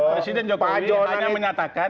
presiden jokowi hanya menyatakan